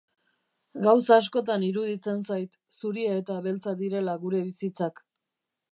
Gauza askotan iruditzen zait zuria eta beltza direla gure bizitzak.